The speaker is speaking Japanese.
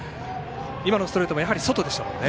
今のストレートもやはり外でしたね。